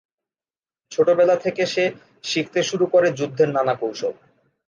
ছোটবেলা থেকে সে শিখতে শুরু করে যুদ্ধের নানা কৌশল।